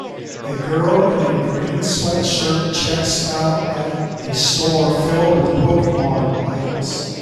A girl in a green sweatshirt checks out at a store filled with Pokemon items